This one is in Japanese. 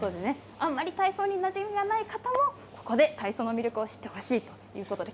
あまり体操になじみのない方もここで体操の魅力を知ってほしいということです。